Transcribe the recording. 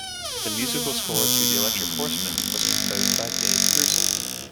The musical score to "The Electric Horseman" was composed by Dave Grusin.